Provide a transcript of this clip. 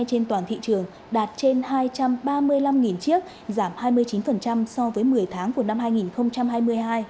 trên toàn thị trường đạt trên hai trăm ba mươi năm chiếc giảm hai mươi chín so với một mươi tháng của năm hai nghìn hai mươi hai